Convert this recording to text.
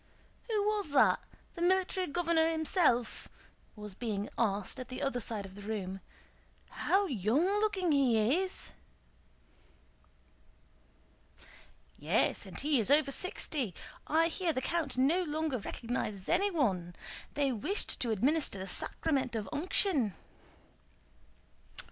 "Who was that? The Military Governor himself?" was being asked at the other side of the room. "How young looking he is!" "Yes, and he is over sixty. I hear the count no longer recognizes anyone. They wished to administer the sacrament of unction."